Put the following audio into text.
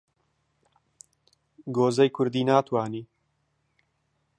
گۆزەی کوردی ناتوانی